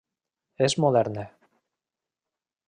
És moderna.